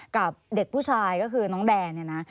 กับเด็กผู้ชายก็คือน้องแดนเนี่ยนะ